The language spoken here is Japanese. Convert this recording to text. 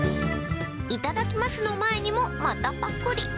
いただきますの前にもまたぱくり。